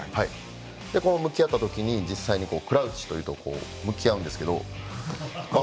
向き合ったときにクラウチという向き合うんですけど。